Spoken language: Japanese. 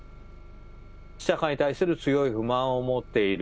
社会に対する強い不満を持っている。